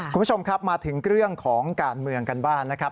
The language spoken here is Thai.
คุณผู้ชมครับมาถึงเรื่องของการเมืองกันบ้างนะครับ